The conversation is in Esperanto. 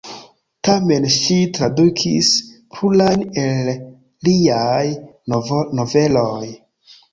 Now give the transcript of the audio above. Tamen ŝi tradukis plurajn el liaj noveloj.